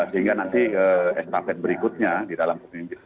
sehingga nanti estafet berikutnya di dalam kepemimpinan